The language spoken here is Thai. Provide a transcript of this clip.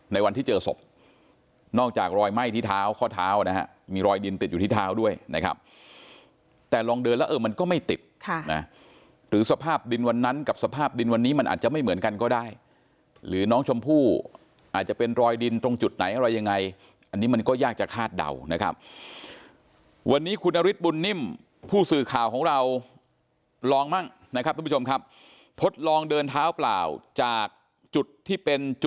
ในวันที่เจอศพนอกจากรอยไหม้ที่เท้าข้อเท้านะฮะมีรอยดินติดอยู่ที่เท้าด้วยนะครับแต่ลองเดินแล้วเออมันก็ไม่ติดค่ะนะฮะหรือสภาพดินวันนั้นกับสภาพดินวันนี้มันอาจจะไม่เหมือนกันก็ได้หรือน้องชมพู่อาจจะเป็นรอยดินตรงจุดไหนอะไรยังไงอันนี้มันก็ยากจะคาดเดานะครับวันนี้คุณนฤทธิ์บุญน